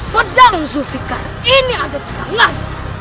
padang zulfiqar ini ada perangkan